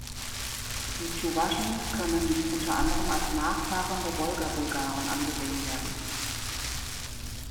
Die Tschuwaschen können unter anderem als Nachfahren der Wolgabulgaren angesehen werden.